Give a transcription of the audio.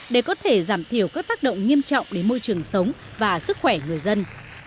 để có thể giảm thiểu các tác động nghiêm trọng đến môi trường sống và sức khỏe người dân